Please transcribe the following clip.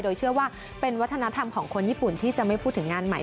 โดยเชื่อว่าเป็นวัฒนธรรมของคนญี่ปุ่นที่จะไม่พูดถึงงานใหม่